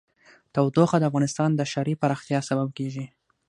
تودوخه د افغانستان د ښاري پراختیا سبب کېږي.